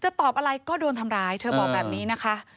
ตอบอะไรก็โดนทำร้ายเธอบอกแบบนี้นะคะ